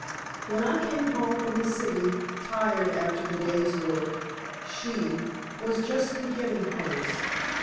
When I came home from the City, tired after the day's work, she was just beginning hers.